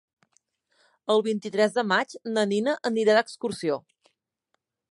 El vint-i-tres de maig na Nina anirà d'excursió.